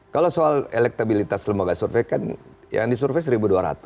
kalau soal elektabilitas lembaga survei kan yang disurvey satu dua ratus